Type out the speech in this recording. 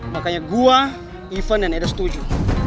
makanya gue ivan dan eda setuju